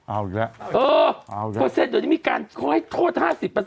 เอ้อเปอร์เซ็นต์เดี๋ยวนี้มีการ